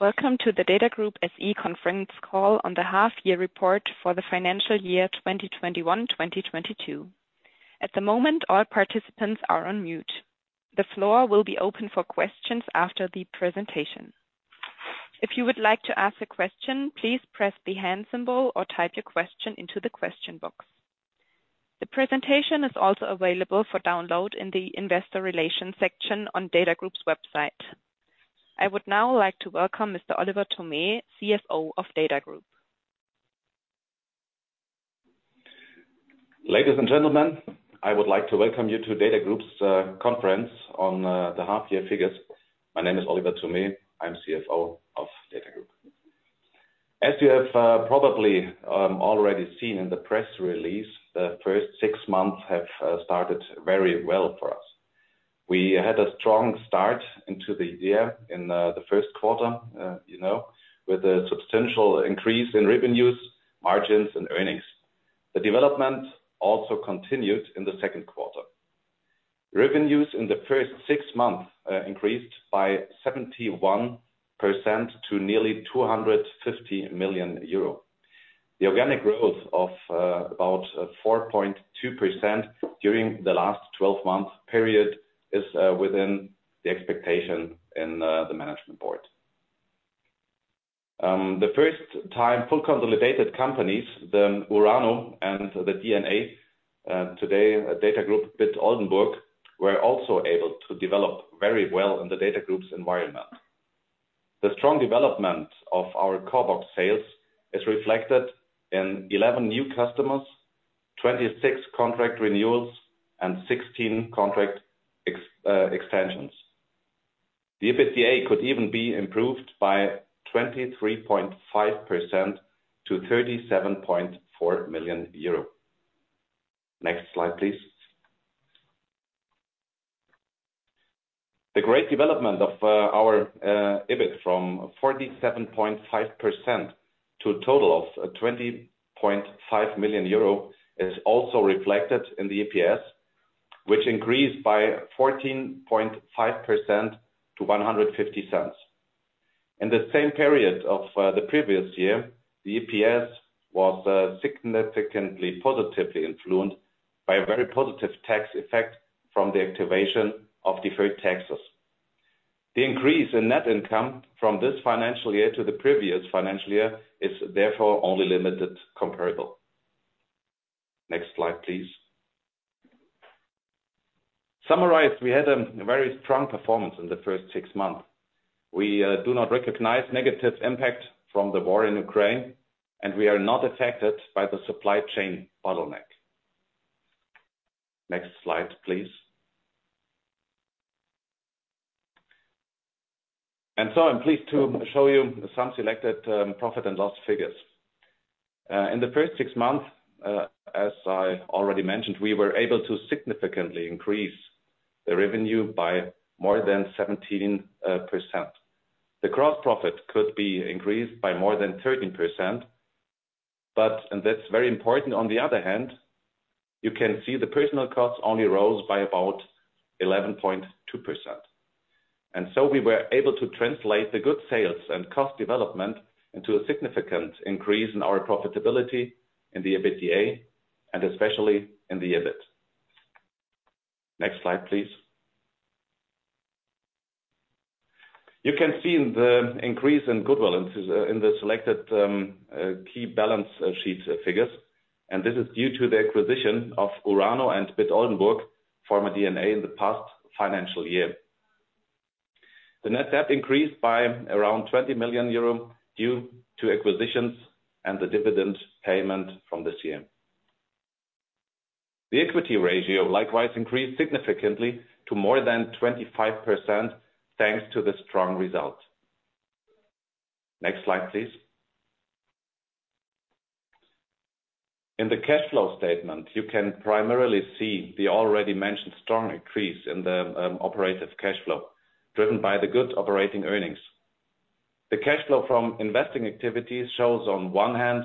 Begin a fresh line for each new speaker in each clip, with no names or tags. Welcome to the DATAGROUP SE conference call on the half year report for the financial year 2021, 2022. At the moment, all participants are on mute. The floor will be open for questions after the presentation. If you would like to ask a question, please press the hand symbol or type your question into the question box. The presentation is also available for download in the investor relations section on DATAGROUP's website. I would now like to welcome Mr. Oliver Thome, CFO of DATAGROUP SE.
Ladies and gentlemen, I would like to welcome you to DATAGROUP's conference on the half year figures. My name is Oliver Thome. I'm CFO of DATAGROUP. As you have probably already seen in the press release, the first six months have started very well for us. We had a strong start into the year in the first quarter, you know, with a substantial increase in revenues, margins, and earnings. The development also continued in the second quarter. Revenues in the first six months increased by 71% to nearly 250 million euro. The organic growth of about 4.2% during the last twelve-month period is within the expectation in the management board. The first time full consolidated companies, the URANO and dna, today, DATAGROUP BIT Oldenburg, were also able to develop very well in the DATAGROUP's environment. The strong development of our CORBOX sales is reflected in 11 new customers, 26 contract renewals, and 16 contract extensions. The EBITDA could even be improved by 23.5% to 37.4 million euro. Next slide, please. The great development of our EBIT from 47.5% to a total of 20.5 million euro is also reflected in the EPS, which increased by 14.5% to 1.50. In the same period of the previous year, the EPS was significantly positively influenced by a very positive tax effect from the activation of deferred taxes. The increase in net income from this financial year to the previous financial year is therefore only limitedly comparable. Next slide, please. Summarized, we had a very strong performance in the first six months. We do not recognize negative impact from the war in Ukraine, and we are not affected by the supply chain bottleneck. Next slide, please. I'm pleased to show you some selected profit and loss figures. In the first six months, as I already mentioned, we were able to significantly increase the revenue by more than 17%. The gross profit could be increased by more than 13%, but, and that's very important, on the other hand, you can see the personnel costs only rose by about 11.2%. We were able to translate the good sales and cost development into a significant increase in our profitability in the EBITDA and especially in the EBIT. Next slide, please. You can see the increase in good balances in the selected key balance sheet figures, and this is due to the acquisition of URANO and BIT Oldenburg, former DNA, in the past financial year. The net debt increased by around 20 million euro due to acquisitions and the dividend payment from this year. The equity ratio likewise increased significantly to more than 25%, thanks to the strong results. Next slide, please. In the cash flow statement, you can primarily see the already mentioned strong increase in the operating cash flow driven by the good operating earnings. The cash flow from investing activities shows on one hand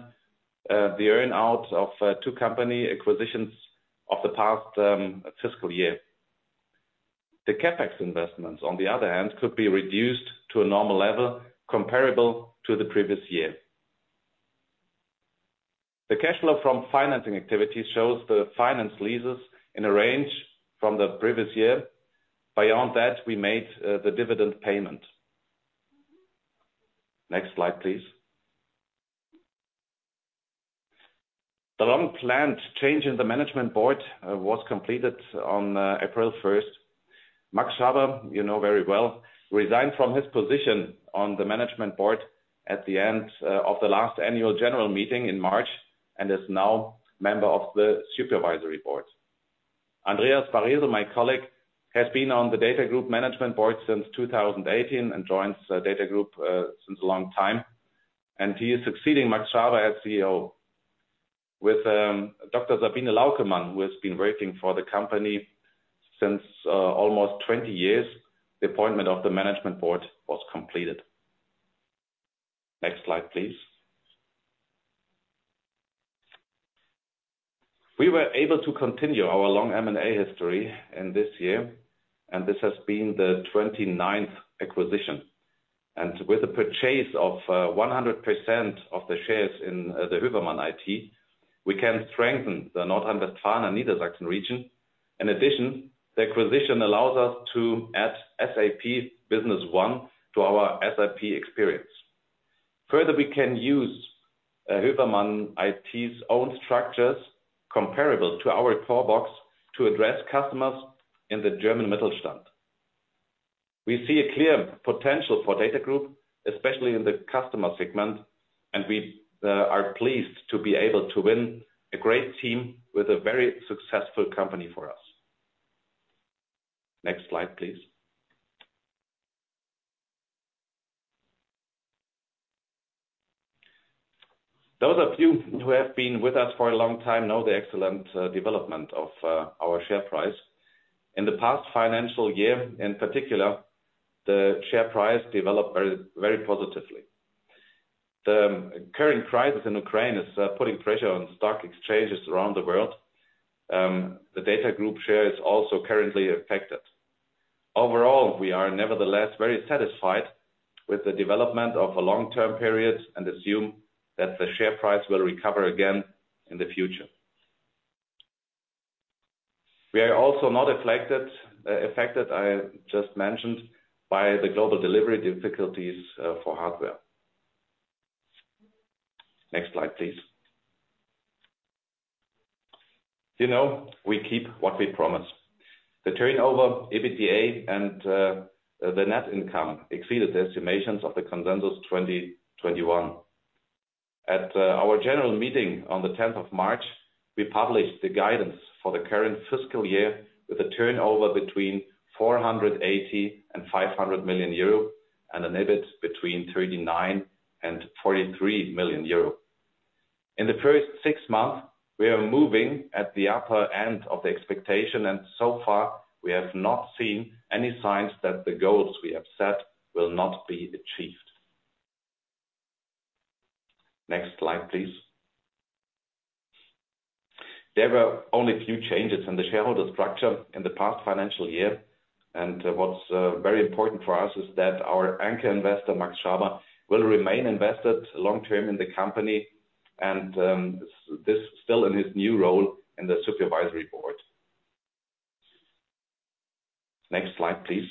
the earn-out of two company acquisitions of the past fiscal year. The CapEx investments, on the other hand, could be reduced to a normal level comparable to the previous year. The cash flow from financing activities shows the finance leases in a range from the previous year. Beyond that, we made the dividend payment. Next slide, please. The long-planned change in the management board was completed on April first. Max H.-H. Schaber, you know very well, resigned from his position on the management board at the end of the last annual general meeting in March and is now member of the supervisory board. Andreas Baresel, my colleague, has been on the DATAGROUP management board since 2018 and joins DATAGROUP since a long time, and he is succeeding Max H.-H. Schaber as CEO. With Dr. Sabine Laukemann, who has been working for the company since almost 20 years, the appointment of the management board was completed. Next slide, please. We were able to continue our long M&A history in this year, and this has been the 29th acquisition. With the purchase of 100% of the shares in the Hövermann IT, we can strengthen the North Rhine-Westphalia and Lower Saxony region. In addition, the acquisition allows us to add SAP Business One to our SAP experience. Further, we can use Hövermann IT's own structures comparable to our CORBOX to address customers in the German Mittelstand. We see a clear potential for DATAGROUP, especially in the customer segment, and we are pleased to be able to win a great team with a very successful company for us. Next slide, please. Those of you who have been with us for a long time know the excellent development of our share price. In the past financial year, in particular, the share price developed very, very positively. The current crisis in Ukraine is putting pressure on stock exchanges around the world. The DATAGROUP share is also currently affected. Overall, we are nevertheless very satisfied with the development over long-term periods and assume that the share price will recover again in the future. We are also not affected, I just mentioned, by the global delivery difficulties for hardware. Next slide, please. You know, we keep what we promised. The turnover, EBITDA and the net income exceeded the estimations of the consensus 2021. At our general meeting on the tenth of March, we published the guidance for the current fiscal year with a turnover between 480 million and 500 million euro and an EBIT between 39 million and 43 million euro. In the first six months, we are moving at the upper end of the expectation, and so far, we have not seen any signs that the goals we have set will not be achieved. Next slide, please. There were only a few changes in the shareholder structure in the past financial year. What's very important for us is that our anchor investor, Max Schaber, will remain invested long-term in the company and this still in his new role in the supervisory board. Next slide, please.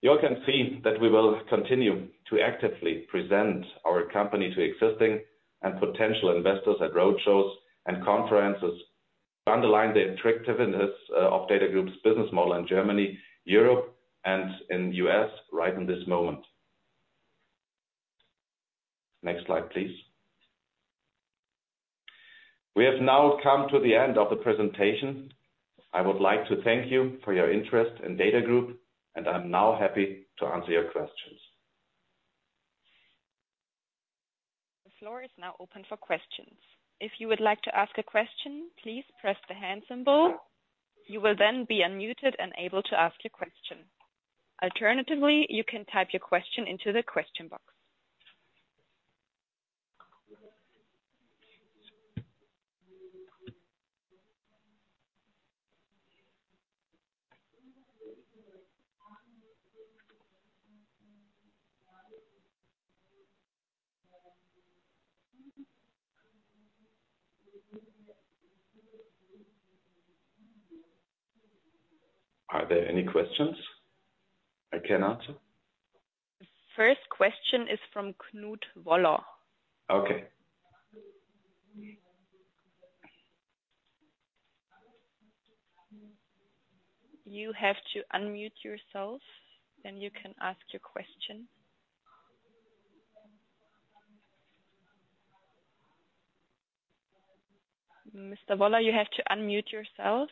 You can see that we will continue to actively present our company to existing and potential investors at roadshows and conferences, underline the attractiveness of DATAGROUP's business model in Germany, Europe, and in U.S. right in this moment. Next slide, please. We have now come to the end of the presentation. I would like to thank you for your interest in DATAGROUP, and I'm now happy to answer your questions.
The floor is now open for questions. If you would like to ask a question, please press the Hand symbol. You will then be unmuted and able to ask your question. Alternatively, you can type your question into the question box.
Are there any questions I can answer?
The first question is from Knut Woller.
Okay.
You have to unmute yourself, then you can ask your question. Mr. Woller, you have to unmute yourself.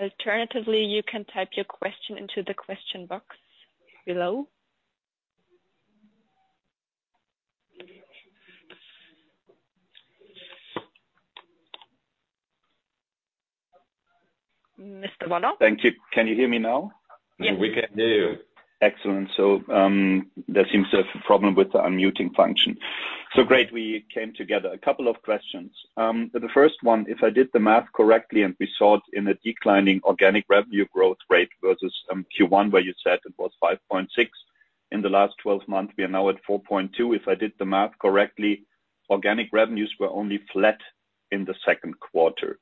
Alternatively, you can type your question into the question box below. Mr. Woller?
Thank you. Can you hear me now?
Yes.
We can hear you.
Excellent. There seems to have a problem with the unmuting function. Great, we came together. A couple of questions. The first one, if I did the math correctly and we saw it in a declining organic revenue growth rate versus Q1, where you said it was 5.6% in the last twelve months. We are now at 4.2%. If I did the math correctly, organic revenues were only flat in the second quarter.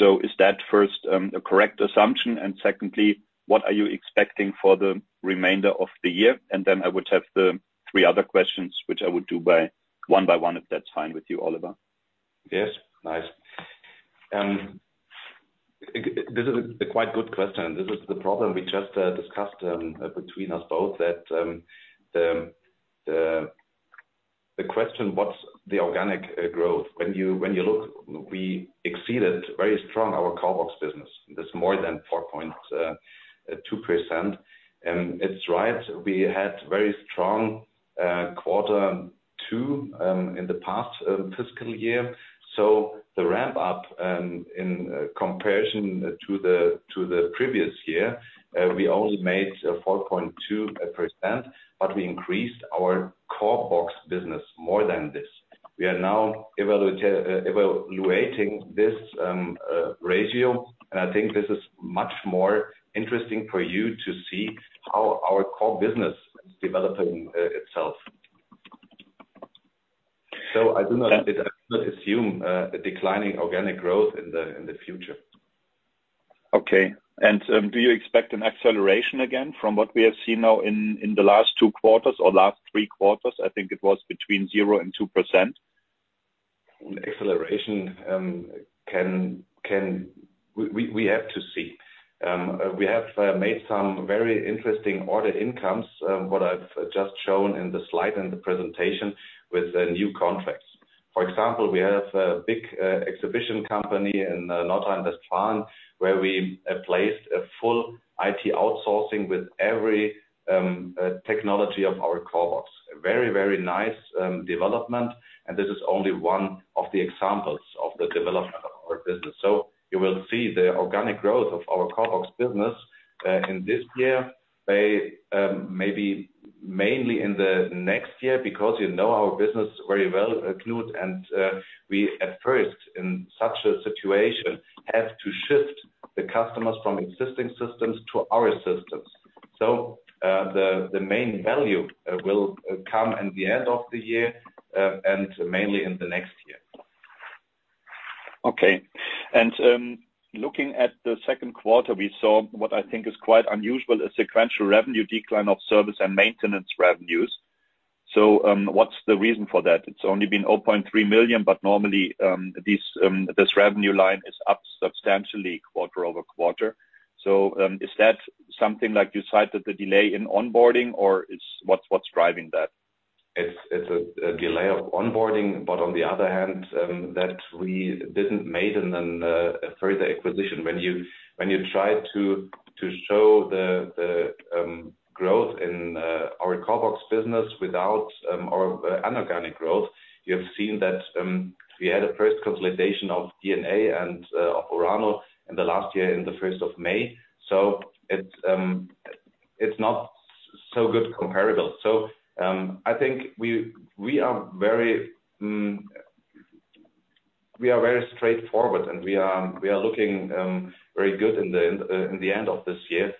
Is that first a correct assumption? And secondly, what are you expecting for the remainder of the year? And then I would have the three other questions, which I would do one by one, if that's fine with you, Oliver.
Yes. Nice. This is a quite good question. This is the problem we just discussed between us both that the question, what's the organic growth? When you look, we exceeded very strong our CORBOX business. That's more than 4.2%. It's right, we had very strong quarter two in the past fiscal year. The ramp up in comparison to the previous year we only made 4.2%, but we increased our CORBOX business more than this. We are now evaluating this ratio, and I think this is much more interesting for you to see how our core business is developing itself. I do not assume a declining organic growth in the future.
Do you expect an acceleration again from what we have seen now in the last two quarters or last three quarters? I think it was between 0% and 2%.
We have to see. We have made some very interesting order intake, what I've just shown in the slide in the presentation with the new contracts. For example, we have a big exhibition company in North Rhine-Westphalia, where we placed a full IT outsourcing with every technology of our CORBOX. A very, very nice development, and this is only one of the examples of the development of our business. You will see the organic growth of our CORBOX business in this year, maybe mainly in the next year because you know our business very well and we at first in such a situation have to shift the customers from existing systems to our systems. The main value will come in the end of the year, and mainly in the next year.
Okay. Looking at the second quarter, we saw what I think is quite unusual, a sequential revenue decline of service and maintenance revenues. What's the reason for that? It's only been 0.3 million, but normally, this revenue line is up substantially quarter-over-quarter. Is that something like you cited the delay in onboarding or what's driving that?
It's a delay of onboarding, but on the other hand, that we didn't make a further acquisition. When you try to show the growth in our CORBOX business without our inorganic growth, you have seen that we had a first consolidation of dna and of URANO in the last year on the first of May. It's not so good comparable. I think we are very straightforward, and we are looking very good in the end of this year.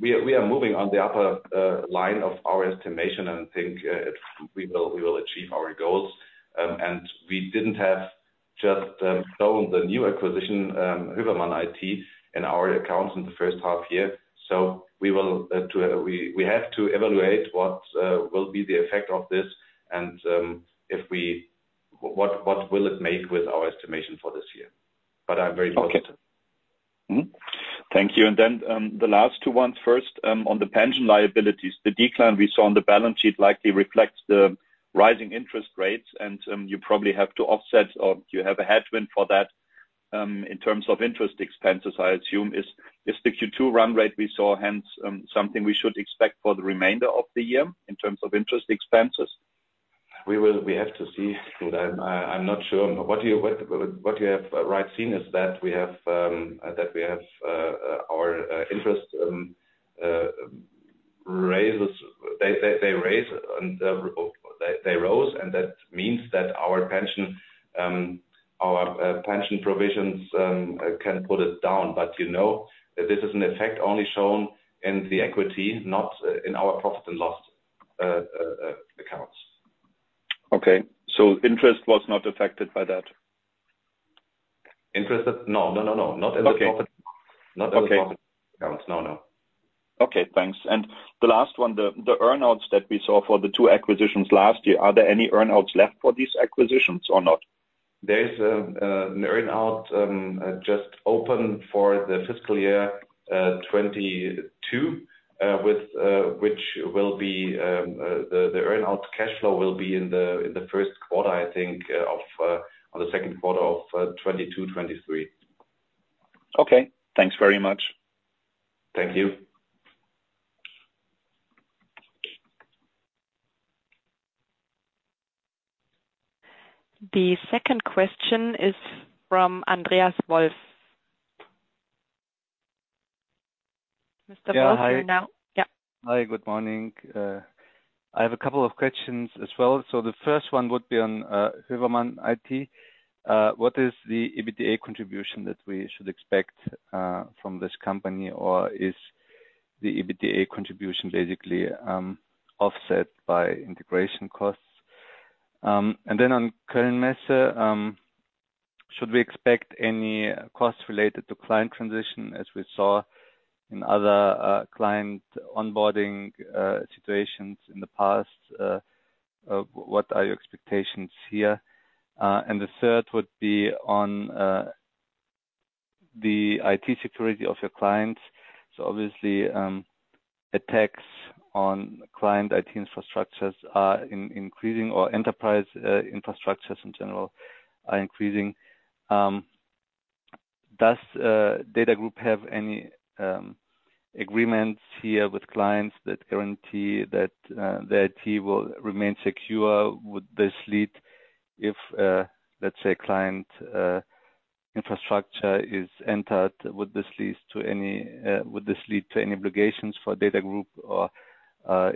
We are moving on the upper line of our estimation and think we will achieve our goals. We didn't have just shown the new acquisition, Hövermann IT in our accounts in the first half year. We have to evaluate what will be the effect of this and what will it make with our estimation for this year. I'm very positive.
Thank you. Then, the last two ones first, on the pension liabilities, the decline we saw on the balance sheet likely reflects the rising interest rates, and you probably have to offset or you have a headwind for that, in terms of interest expenses, I assume. Is the Q2 run rate we saw, hence, something we should expect for the remainder of the year in terms of interest expenses?
We have to see, Knut Woller. I'm not sure. What you have recently seen is that we have our interest rates. They rise and they rose, and that means that our pension provisions can put it down. You know, this is an effect only shown in the equity, not in our profit and loss accounts.
Okay. Interest was not affected by that?
Interest? No, no, no. Not in the profit.
Okay.
Not in the profit.
Okay.
Accounts. No, no.
Okay, thanks. The last one, the earn-outs that we saw for the two acquisitions last year, are there any earn-outs left for these acquisitions or not?
There is an earn-out just open for the fiscal year 2022, with which will be the earn-out cash flow in the first quarter, I think, or the second quarter of 2023.
Okay. Thanks very much.
Thank you.
The second question is from Andreas Wolf. Mr. Wolf, you're now.
Yeah. Hi.
Yeah.
Hi. Good morning. I have a couple of questions as well. The first one would be on Hövermann IT. What is the EBITDA contribution that we should expect from this company? Or is the EBITDA contribution basically offset by integration costs? On Koelnmesse, should we expect any costs related to client transition, as we saw in other client onboarding situations in the past? What are your expectations here? The third would be on the IT security of your clients. Obviously, attacks on client IT infrastructures are increasing or enterprise infrastructures in general are increasing. Does DATAGROUP have any agreements here with clients that guarantee that their IT will remain secure? Would this lead, if let's say a client infrastructure is entered, to any obligations for DATAGROUP?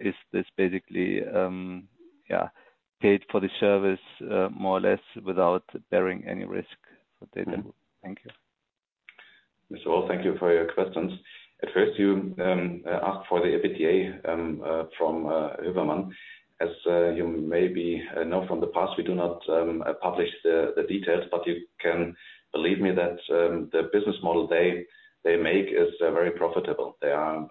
Is this basically paid for the service more or less without bearing any risk for DATAGROUP? Thank you.
Mr. Wolf, thank you for your questions. At first, you asked for the EBITDA from Hövermann. As you maybe know from the past, we do not publish the details, but you can believe me that their business model they make is very profitable. They are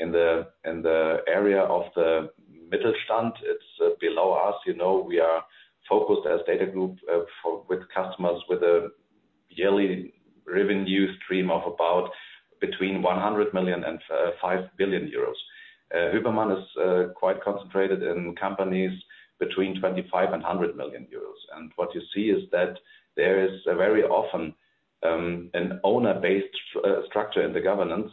in the area of the Mittelstand. It's below us. You know, we are focused as DATAGROUP SE for with customers with a yearly revenue stream of about between 100 million and 5 billion euros. Hövermann is quite concentrated in companies between 25 million euros and 100 million euros. What you see is that there is very often an owner-based structure in the governance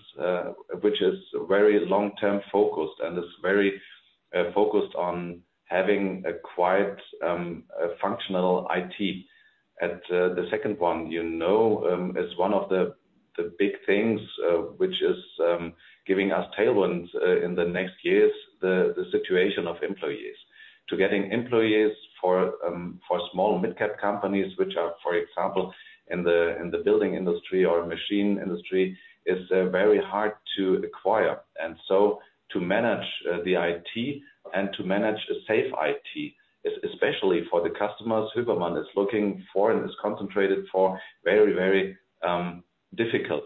which is very long-term focused and is very focused on having a quite functional IT. At the second one, you know, is one of the big things which is giving us tailwinds in the next years, the situation of employees. To getting employees for small mid-cap companies, which are, for example, in the building industry or machine industry, is very hard to acquire. To manage the IT and to manage a safe IT, especially for the customers Hövermann is looking for and is concentrated for very difficult.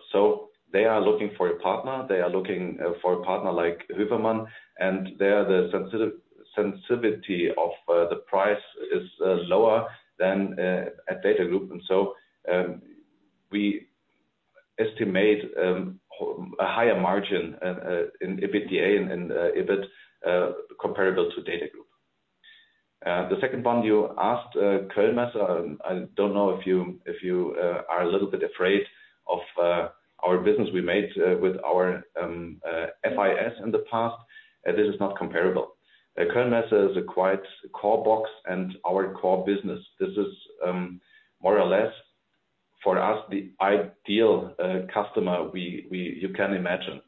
They are looking for a partner. They are looking for a partner like Hövermann, and there the sensitivity of the price is lower than at DATAGROUP SE. We estimate a higher margin in EBITDA and EBIT comparable to DATAGROUP SE. The second one you asked, Koelnmesse, I don't know if you are a little bit afraid of our business we made with our FIS in the past. This is not comparable. Koelnmesse is quite a CORBOX and our core business. This is more or less for us the ideal customer you can imagine.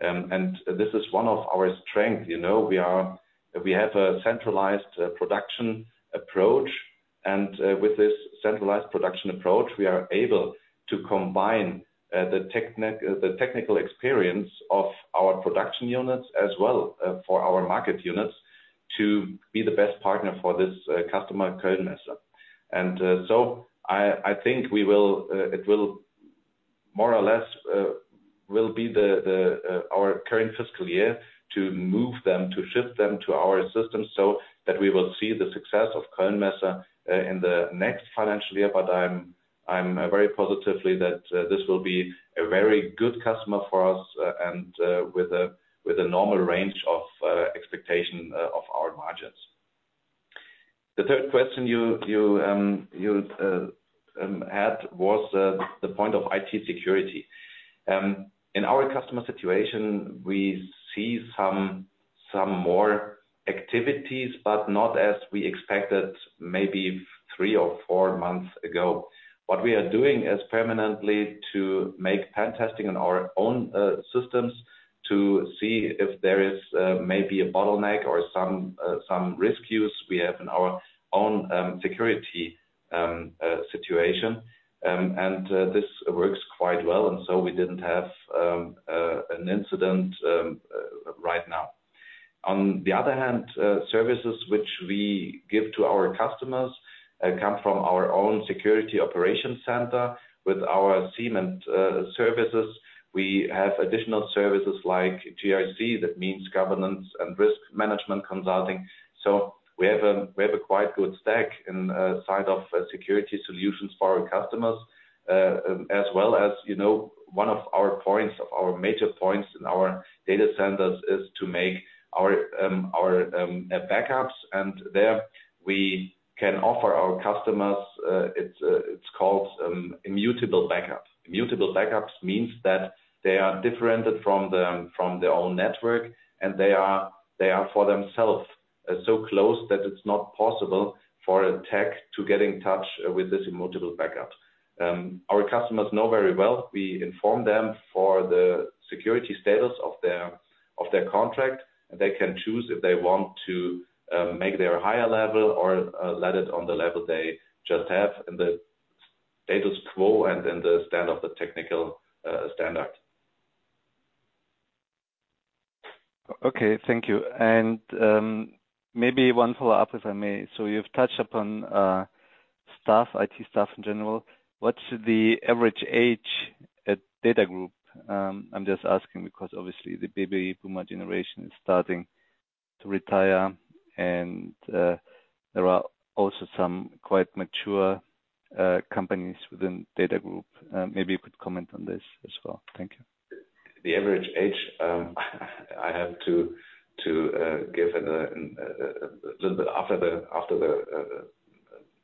This is one of our strength, you know. We have a centralized production approach. With this centralized production approach, we are able to combine the technical experience of our production units as well for our market units, to be the best partner for this customer, Koelnmesse. I think it will more or less be our current fiscal year to move them, to shift them to our system, so that we will see the success of Koelnmesse in the next financial year. I'm very positive that this will be a very good customer for us and with a normal range of expectation of our margins. The third question you had was the point of IT security. In our customer situation, we see some more activities, but not as we expected maybe three or four months ago. What we are doing is permanently to make pen testing on our own systems to see if there is maybe a bottleneck or some risks we have in our own security situation. This works quite well, and so we didn't have an incident right now. On the other hand, services which we give to our customers come from our own security operations center with our SIEM and services. We have additional services like GRC, that means governance and risk management consulting. We have a quite good stack inside of security solutions for our customers. As well as, you know, one of our points, our major points in our data centers is to make our backups, and there we can offer our customers, it's called immutable backup. Immutable backups means that they are different from their own network, and they are for themselves so close that it's not possible for a tech to get in touch with this immutable backup. Our customers know very well. We inform them for the security status of their contract. They can choose if they want to make their higher level or let it on the level they just have in the status quo and in the stand of the technical standard.
Okay, thank you. Maybe one follow-up, if I may. You've touched upon staff, IT staff in general. What's the average age at DATAGROUP? I'm just asking because obviously the baby boomer generation is starting to retire and there are also some quite mature companies within DATAGROUP. Maybe you could comment on this as well. Thank you.
The average age, I have to give it a little bit after the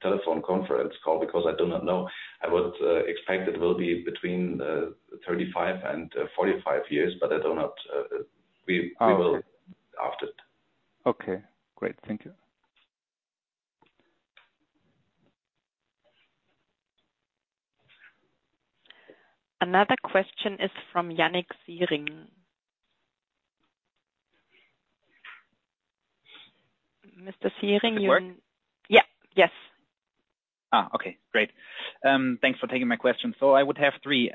telephone conference call, because I do not know. I would expect it will be between 35 and 45 years, but I do not.
Oh, okay.
We will after.
Okay, great. Thank you.
Another question is from Yannik Siering. Mr. Siering.
It's working?
Yeah. Yes.
Okay. Great. Thanks for taking my question. I would have three.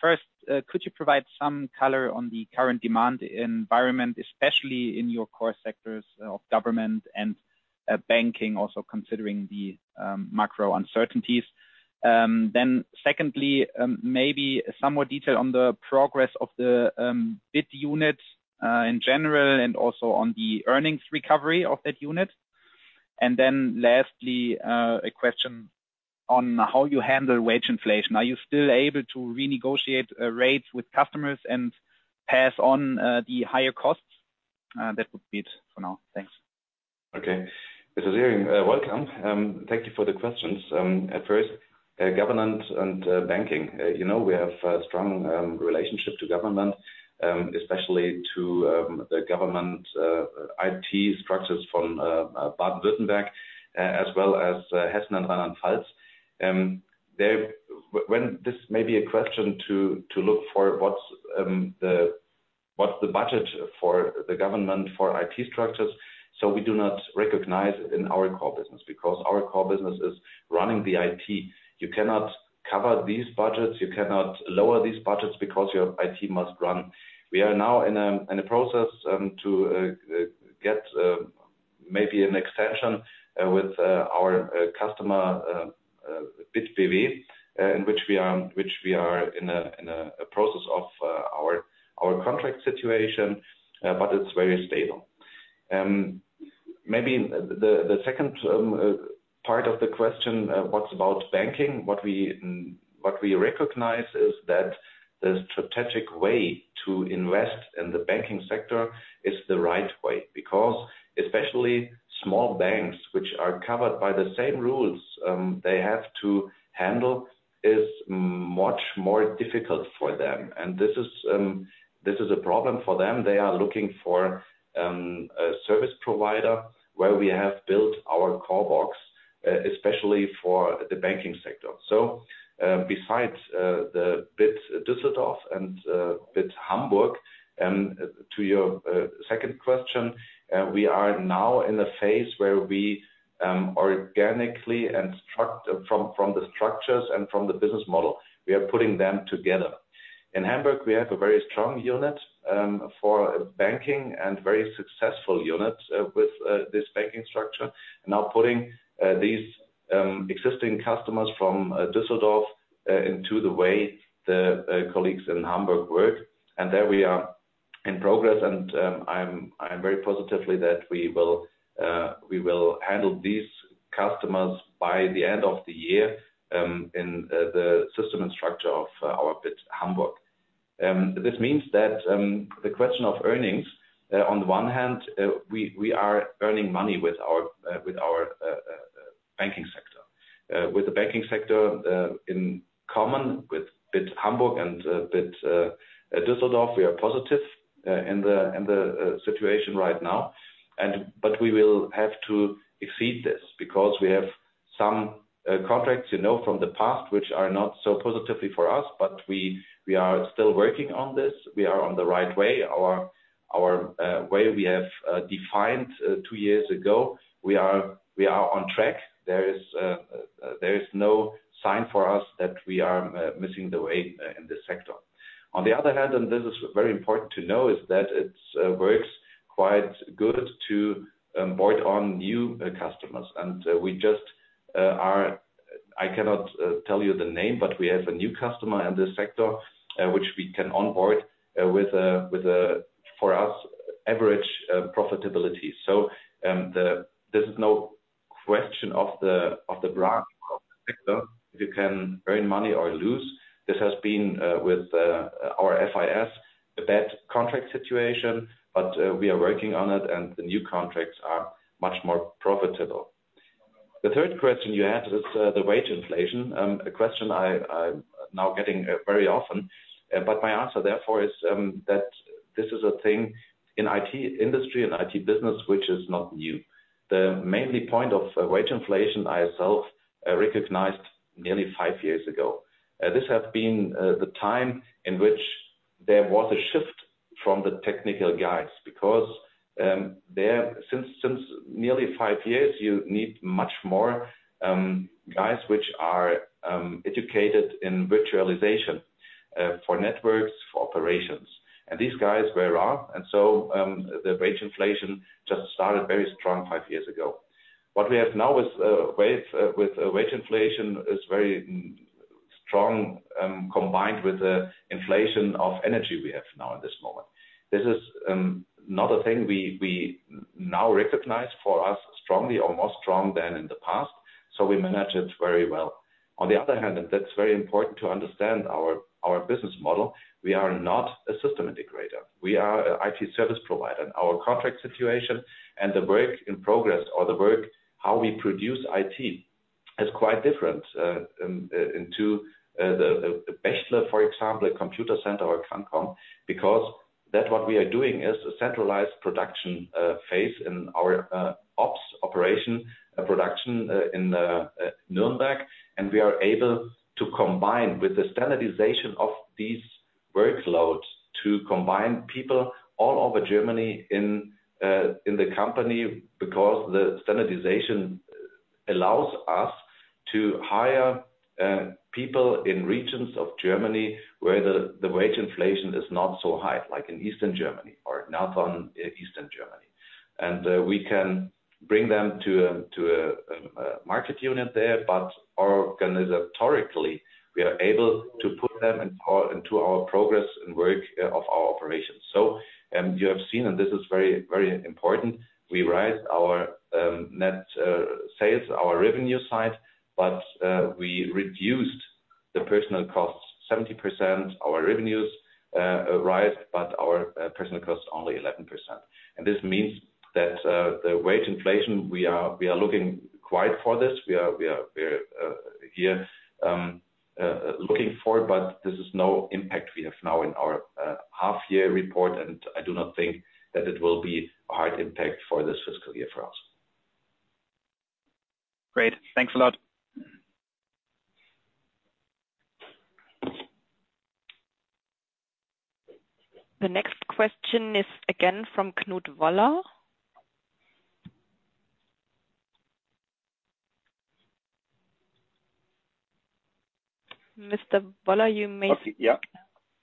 First, could you provide some color on the current demand environment, especially in your core sectors of government and banking, also considering the macro uncertainties? Secondly, maybe some more detail on the progress of the BIT units in general and also on the earnings recovery of that unit. Lastly, a question on how you handle wage inflation. Are you still able to renegotiate rates with customers and pass on the higher costs? That would be it for now. Thanks.
Okay. Mr. Siering, welcome. Thank you for the questions. At first, government and banking, you know, we have a strong relationship to government, especially to the government IT structures from Baden-Württemberg, as well as Hessen and Rheinland-Pfalz. When this may be a question to look for what's the budget for the government for IT structures. We do not recognize in our core business because our core business is running the IT. You cannot cover these budgets, you cannot lower these budgets because your IT must run. We are now in a process to get maybe an extension with our customer BITBW, in which we are in a process of our contract situation, but it's very stable. Maybe the second part of the question, what about banking? What we recognize is that the strategic way to invest in the banking sector is the right way, because especially small banks, which are covered by the same rules they have to handle, is much more difficult for them. This is a problem for them. They are looking for a service provider where we have built our CORBOX, especially for the banking sector. Besides the Bit Düsseldorf and Bit Hamburg, to your second question, we are now in a phase where we organically from the structures and from the business model are putting them together. In Hamburg, we have a very strong unit for banking and very successful unit with this banking structure. Now, putting these existing customers from Düsseldorf into the way the colleagues in Hamburg work. There we are in progress, and I'm very positive that we will handle these customers by the end of the year in the system and structure of our Bit Hamburg. This means that the question of earnings on the one hand we are earning money with our banking sector. With the banking sector in common with BIT Hamburg and BIT Düsseldorf we are positive in the situation right now. We will have to exceed this because we have some contracts you know from the past which are not so positively for us, but we are still working on this. We are on the right way. Our way we have defined two years ago we are on track. There is no sign for us that we are missing the way in this sector. On the other hand, this is very important to know, is that it works quite good to onboard new customers. We just cannot tell you the name, but we have a new customer in this sector which we can onboard with average profitability for us. There's no question of the branch of the sector. You can earn money or lose. This has been, with our FIS, a bad contract situation, but we are working on it, and the new contracts are much more profitable. The third question you asked was the wage inflation. A question I'm now getting very often, but my answer therefore is that this is a thing in IT industry and IT business which is not new. The main point of wage inflation, I myself recognized nearly five years ago. This has been the time in which there was a shift from the technical guys because since nearly five years, you need much more guys which are educated in virtualization for networks, for operations. These guys were off, so the wage inflation just started very strong five years ago. What we have now is a wave with a wage inflation is very strong combined with the inflation of energy we have now at this moment. This is another thing we now recognize for us strongly or more strong than in the past, so we manage it very well. On the other hand, that's very important to understand our business model, we are not a system integrator. We are an IT service provider. Our contract situation and the work in progress or the work how we produce IT is quite different from the Bechtle, for example, Computacenter or CANCOM, because that's what we are doing is a centralized production base in our ops operation production in Nuremberg. We are able to combine with the standardization of these workloads to combine people all over Germany in the company because the standardization allows us to hire people in regions of Germany where the wage inflation is not so high, like in Eastern Germany or Northern Eastern Germany. We can bring them to a market unit there. Organizationally, we are able to put them into our progress and work of our operations. You have seen, and this is very, very important, we rise our net sales, our revenue side, but we reduced the personal costs 70%. Our revenues rise, but our personal costs only 11%. This means that the wage inflation, we are looking quite for this. We are here looking forward, but this is no impact we have now in our half-year report, and I do not think that it will be a hard impact for this fiscal year for us.
Great. Thanks a lot.
The next question is again from Knut Woller. Mr. Woller, you may.
Okay. Yeah.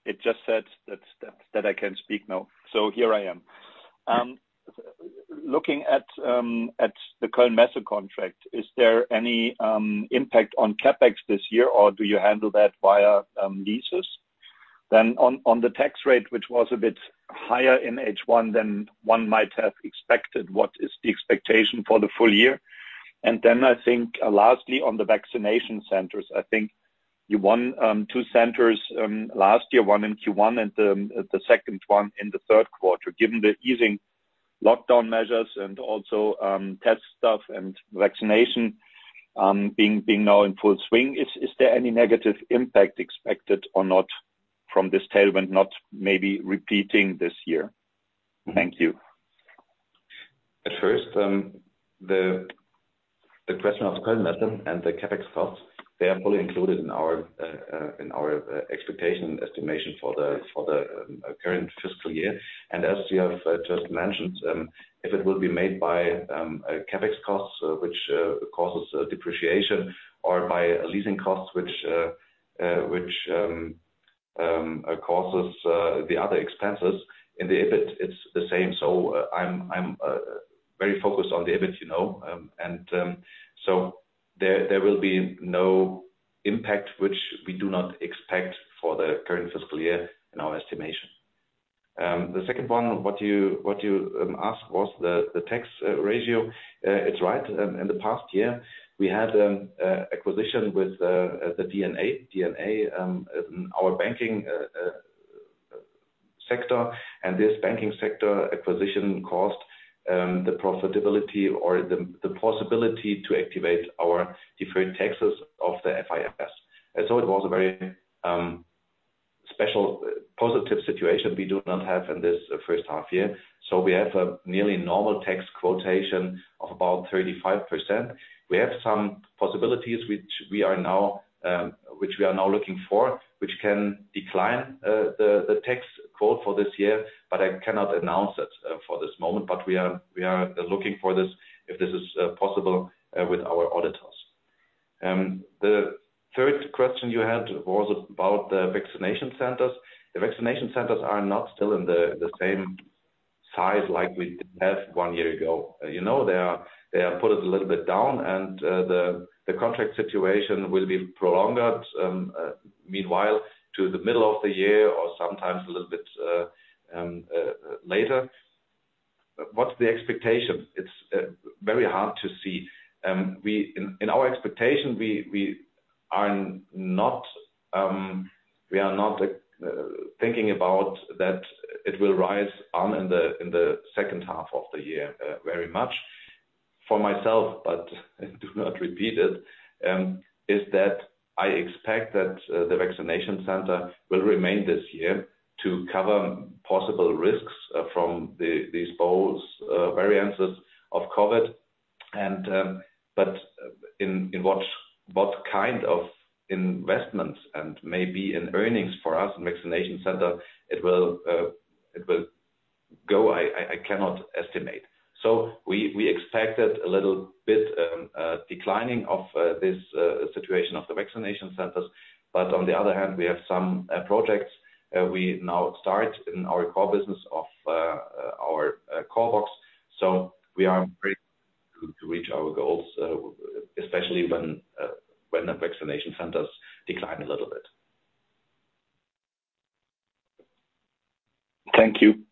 It just said that I can speak now. Here I am. Looking at the Koelnmesse contract, is there any impact on CapEx this year, or do you handle that via leases? On the tax rate, which was a bit higher in H1 than one might have expected, what is the expectation for the full year? I think lastly, on the vaccination centers, I think you won two centers last year, one in Q1 and the second one in the third quarter. Given the easing lockdown measures and also testing and vaccination being now in full swing, is there any negative impact expected or not from this tailwind not maybe repeating this year? Thank you.
At first, the question of Kölnmesse and the CapEx costs, they are fully included in our expectation estimation for the current fiscal year. As you have just mentioned, if it will be made by a CapEx costs, which causes a depreciation or by leasing costs, which causes the other expenses, in the EBIT it's the same. I'm very focused on the EBIT, you know, and there will be no impact, which we do not expect for the current fiscal year in our estimation. The second one, what you asked was the tax ratio. It's right. In the past year, we had acquisition with the dna, our banking sector. This banking sector acquisition cost the profitability or the possibility to activate our deferred taxes of the IFRS. It was a very special positive situation we do not have in this first half year. We have a nearly normal tax rate of about 35%. We have some possibilities which we are now looking for, which can decline the tax rate for this year, but I cannot announce it for this moment. We are looking for this, if this is possible with our auditors. The third question you had was about the vaccination centers. The vaccination centers are not still in the same size like we did have one year ago. You know, they are put a little bit down and the contract situation will be prolonged meanwhile to the middle of the year or sometimes a little bit later. What's the expectation? It's very hard to see. In our expectation, we are not thinking about that it will rise in the second half of the year very much. For myself, but I do not repeat it, is that I expect that the vaccination center will remain this year to cover possible risks from these both variants of COVID. But in what kind of investments and maybe in earnings for us in vaccination center it will go, I cannot estimate. We expect it a little bit declining of this situation of the vaccination centers. On the other hand, we have some projects we now start in our core business of our CORBOX. We are pretty good to reach our goals, especially when the vaccination centers decline a little bit.
Thank you.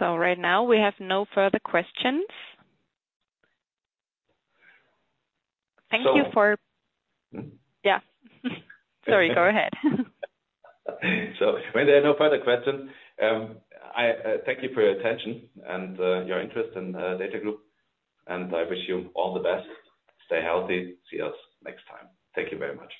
Right now we have no further questions. Thank you for-
So-
Yeah. Sorry, go ahead.
When there are no further questions, I thank you for your attention and your interest in DATAGROUP SE, and I wish you all the best. Stay healthy. See us next time. Thank you very much.